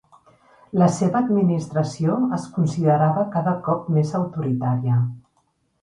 La seva administració es considerava cada cop més autoritària.